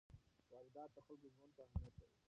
واردات د خلکو ژوند ته اهمیت لري.